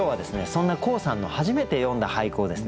そんな黄さんの初めて詠んだ俳句をですね